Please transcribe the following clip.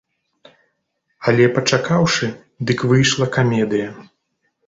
Але пачакаўшы, дык выйшла камедыя.